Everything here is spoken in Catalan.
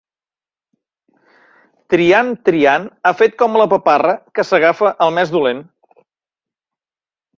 Triant, triant, ha fet com la paparra, que s'agafa al més dolent.